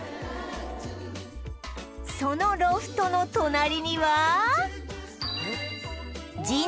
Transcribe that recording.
そのロフトの隣には